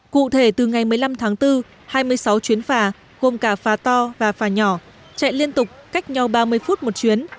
cụ thể từ ngày một mươi năm tháng bốn hai mươi sáu chuyến phà gồm cả phà to và phà nhỏ chạy liên tục cách nhau ba mươi phút một chuyến